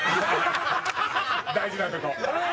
大事なとこ。